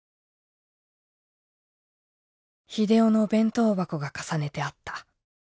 「秀雄の弁当箱が重ねてあった。